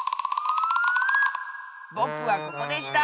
ぼくはここでした！